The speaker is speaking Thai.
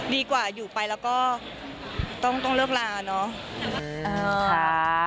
ดีกว่าอยู่ไปแล้วก็ต้องเลิกลาเนาะ